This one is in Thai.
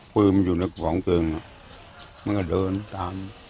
ปืนมันอยู่ในกองเพลิงมันก็เดินตาม